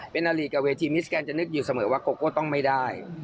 เป็นอารีกับเวทีมิสแกนจะนึกอยู่เสมอว่าโกโก้ต้องไม่ได้